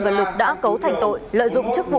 và lực đã cấu thành tội lợi dụng chức vụ